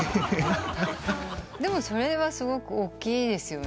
でもそれはすごく大きいですよね？